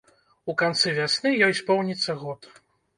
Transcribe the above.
У канцы вясны ёй споўніцца год.